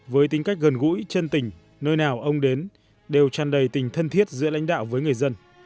với tính cách gần gũi chân tình nơi nào ông đến đều tràn đầy tình thân thiết giữa lãnh đạo với người dân